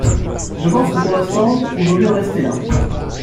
Je pense que pour l’instant, il vaut mieux en rester là.